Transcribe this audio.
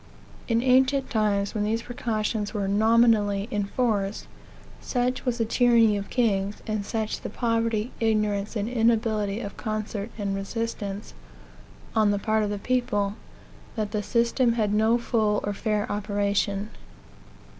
In ancient times, when these precautions were nominally in force, such was the tyranny of kings, and such the poverty, ignorance, and the inability of concert and resistance, on the part of the people, that the system had no full or fair operation.